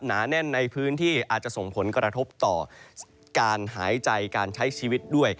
หนาแน่นในพื้นที่อาจจะส่งผลกระทบต่อการหายใจการใช้ชีวิตด้วย